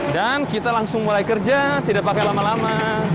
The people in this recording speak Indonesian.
dan kita langsung mulai kerja tidak pakai lama lama